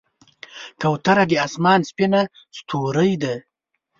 کوتره د آسمان سپینه ستورۍ ده.